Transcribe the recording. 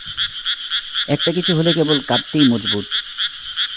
একটা কিছু হলে কেবল কাঁদতেই মজবুত।